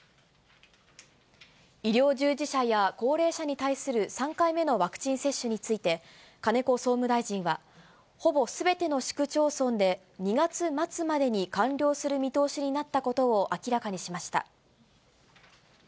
医療従事者や高齢者に対する３回目のワクチン接種について、金子総務大臣は、ほぼすべての市区町村で２月末までに完了する見通しになったことを明らかにしました。